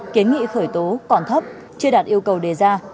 kiến nghị khởi tố còn thấp chưa đạt yêu cầu đề ra